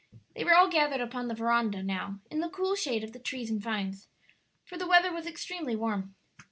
They were all gathered upon the veranda now in the cool shade of the trees and vines, for the weather was extremely warm.